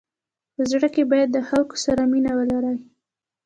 په زړه کي باید د خلکو سره مینه ولری.